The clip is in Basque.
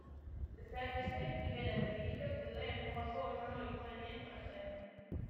Besteak beste, gibela eta birikak daude helmugako organo ohikoenen artean.